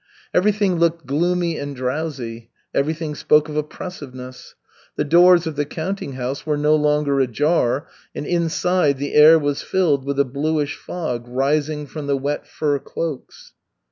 Everything looked gloomy and drowsy, everything spoke of oppressiveness. The doors of the counting house were no longer ajar, and inside the air was filled with a bluish fog rising from the wet fur cloaks.